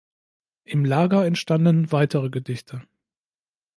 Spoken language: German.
Im Lager entstanden weitere Gedichte.